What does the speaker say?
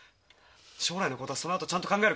将来のことはその後ちゃんと考えるからさ。